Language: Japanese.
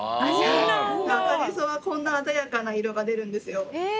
赤じそはこんな鮮やかな色が出るんですよ。